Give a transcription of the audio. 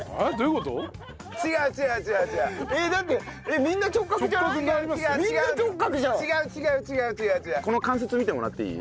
この関節見てもらっていい？